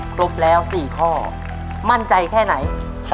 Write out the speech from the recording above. ครบแล้ว๔ข้อมั่นใจแค่ไหน